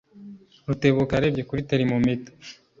Rutebuka yarebye kuri termometero